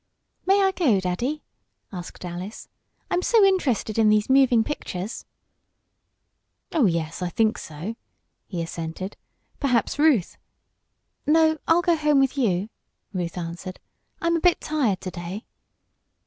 "May I go, Daddy?" asked Alice. "I'm so interested in these moving pictures." "Oh, yes, I think so," he assented. "Perhaps Ruth " "No, I'll go home with you," Ruth answered. "I'm a bit tired to day."